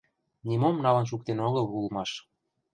Нимом налын шуктен огыл улмаш...